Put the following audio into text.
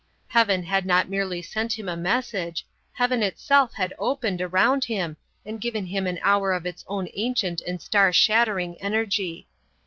Heaven had not merely sent him a message; Heaven itself had opened around him and given him an hour of its own ancient and star shattering energy.